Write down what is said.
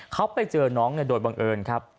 เขาไปเจอน้องโดยบังเอิญครับ